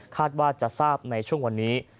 ว่าจะทราบในช่วงวันนี้